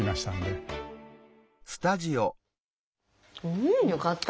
うん！よかった。